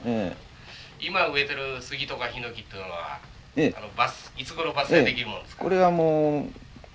今植えてるスギとかヒノキというのはいつごろ伐採できるもんですか？